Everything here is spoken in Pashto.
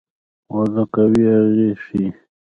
غول د قهوې اغېز ښيي.